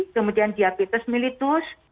kemudian diabetes mellitus